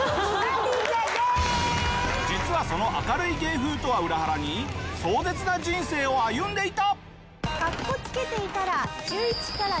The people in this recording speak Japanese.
実はその明るい芸風とは裏腹に壮絶な人生を歩んでいた！